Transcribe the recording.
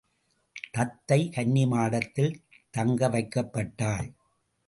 தத்தை கன்னிமாடத்தில் தங்க வைக்கப்பட்டாள்.